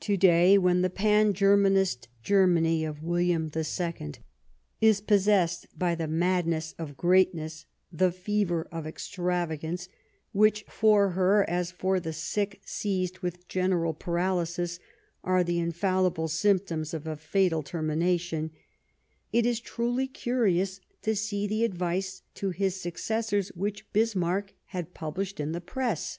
To day, when the Pan Germanist Germany of William II is possessed by the madness of greatness, the fever of extravagance, which, for her, as for the sick seized with general paralysis, are the infallible symptoms of a fatal termination, it is truly curious to see the advice to his successors which Bismarck had published in the Press.